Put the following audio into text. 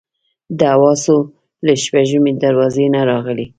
د حواسو له شپږمې دروازې نه راغلي.